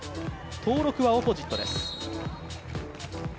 登録はオポジットです。